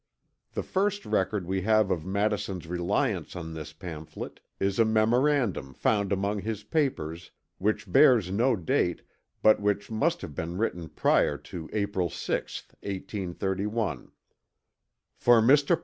The first record we have of Madison's reliance on this pamphlet is a memorandum found among his papers which bears no date but which must have been written prior to April 6th, 1831. "FOR MR.